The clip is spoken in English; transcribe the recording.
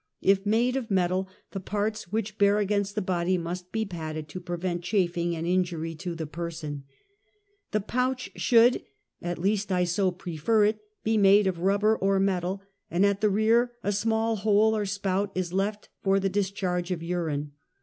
If made of metal, the j)arts which bear against the body must be padded to prevent chafing and injury to the person. 120 UNMASKED. "The pouch should (at least I so prefer it) be made of rubber or metal, and at the rear a small hole or spout is left for the discharge of urine.